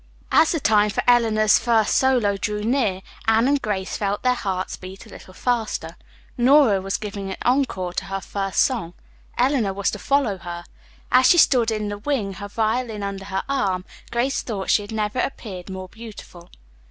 As the time for Eleanor's first solo drew near, Anne and Grace felt their hearts beat a little faster. Nora was giving an encore to her first song. Eleanor was to follow her. As she stood in the wing her violin under her arm, Grace thought she had never appeared more beautiful.